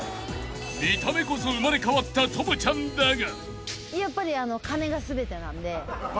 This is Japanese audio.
［見た目こそ生まれ変わった朋ちゃんだが］